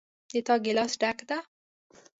د تا ګلاس ډک ده